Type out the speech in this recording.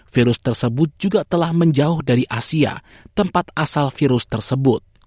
virus tersebut juga telah menjauh dari asia tempat asal virus tersebut